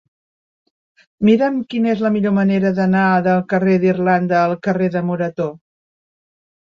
Mira'm quina és la millor manera d'anar del carrer d'Irlanda al carrer de Morató.